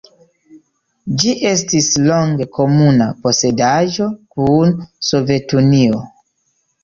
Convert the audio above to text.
Ĝi estis longe komuna posedaĵo kun Sovetunio.